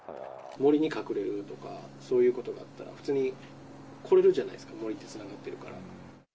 森に隠れるとか、そういうことだったら、普通に来れるじゃないですか、森ってつながっているから。